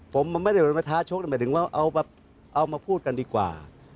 ผมไม่ได้มาท้าชกหมายถึงว่าเอามาพูดกันดีกว่า